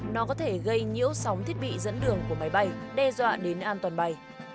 nó có thể gây nhiễu sóng thiết bị dẫn đường của máy bay đe dọa đến an toàn bay